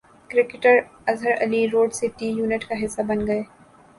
cricketer Azhar Ali road safety unit کا حصہ بن گئے